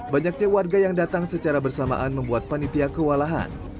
banyaknya warga yang datang secara bersamaan membuat panitia kewalahan